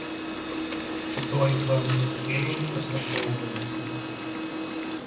І той у пэўнай ступені прыслухоўваецца.